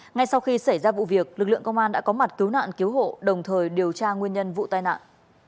ngay sau khi xảy ra vụ việc lực lượng công an đã có mặt cứu nạn cứu hộ đồng thời điều tra nguyên nhân vụ tai nạn